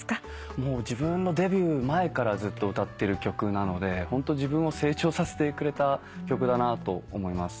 もう自分のデビュー前からずっと歌ってる曲なのでホント自分を成長させてくれた曲だなと思います。